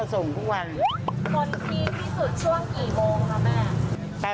คนกินที่สุดช่วงกี่โมงนะแม่